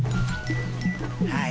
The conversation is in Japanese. はい。